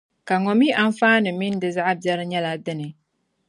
Ka ŋɔ mi anfaaninima mini di zaɣ biɛri nyɛla dini?